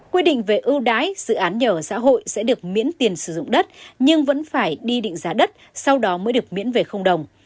quy định về ưu đái dự án nhà ở xã hội sẽ được miễn tiền sử dụng đất nhưng vẫn phải đi định giá đất sau đó mới được miễn về không đồng